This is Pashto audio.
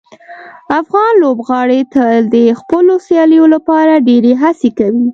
افغان لوبغاړي تل د خپلو سیالیو لپاره ډیرې هڅې کوي.